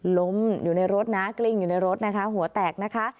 ล้มอยู่ในรถนะกลิ้งอยู่ในรถนะคะหัวแตกนะคะ